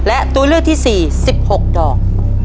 และตัวเลือกที่๔๑๖ดอก